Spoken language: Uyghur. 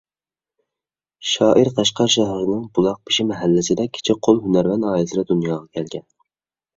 شائىر قەشقەر شەھىرىنىڭ بۇلاقبېشى مەھەللىسىدە كىچىك قول ھۈنەرۋەن ئائىلىسىدە دۇنياغا كەلگەن.